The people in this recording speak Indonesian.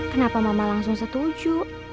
kenapa mama langsung setuju